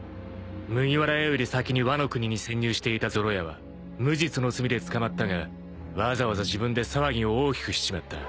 ［麦わら屋より先にワノ国に潜入していたゾロ屋は無実の罪で捕まったがわざわざ自分で騒ぎを大きくしちまった］